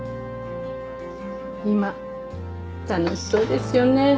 今楽しそうですよね